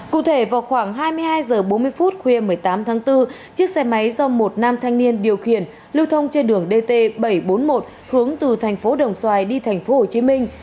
cụ thể vào khoảng hai mươi hai h bốn mươi phút khuya một mươi tám tháng bốn chiếc xe máy do một nam thanh niên điều khiển lưu thông trên đường dt bảy trăm bốn mươi một hướng từ thành phố đồng xoài đi thành phố hồ chí minh